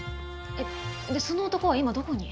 えっその男は今どこに？